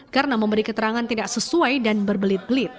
karena memberi keterangan tidak sesuai dan berbelit belit